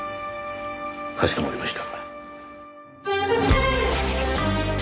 かしこまりました。